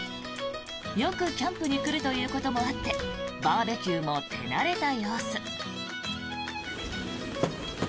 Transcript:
よくキャンプに来るということもあってバーベキューも手慣れた様子。